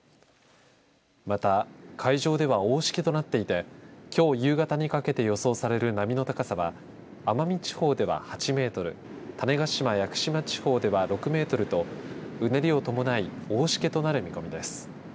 また海上では大しけとなっていてきょう夕方にかけて予想される波の高さは奄美地方では８メートル種子島、屋久島地方では６メートルとうねりを伴い大しけとなる見込みです。